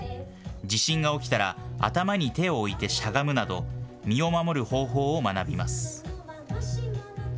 地震が起きたら頭に手を置いてしゃがむなど身を守る方法を学びます。